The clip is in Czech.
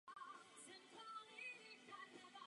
Převýšení je dvě stě metrů.